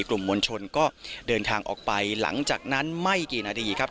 กลุ่มมวลชนก็เดินทางออกไปหลังจากนั้นไม่กี่นาทีครับ